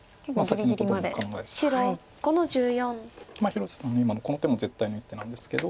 広瀬さんの今のこの手も絶対の一手なんですけど。